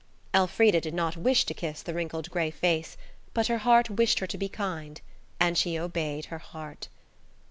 Elfrida did not wish to kiss the wrinkled, grey face, but her heart wished her to be kind, and she obeyed her heart.